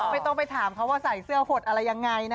ไม่ต้องไปถามเขาว่าใส่เสื้อหดอะไรยังไงนะ